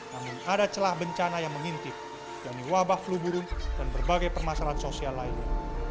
namun ada celah bencana yang mengintip yaitu wabah flu burung dan berbagai permasalahan sosial lainnya